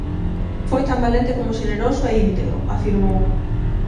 "Foi tan valente como xeneroso e íntegro", afirmou.